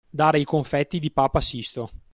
Dare i confetti di papa Sisto.